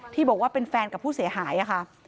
ที่บอกว่าเป็นแฟนกับผู้เสียหายค่ะ